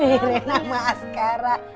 ini nama askara